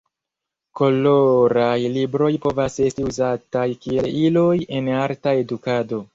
Koloraj libroj povas esti uzataj kiel iloj en arta edukado.